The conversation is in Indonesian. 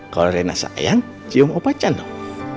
kalau rena sayang cium opa kangen dong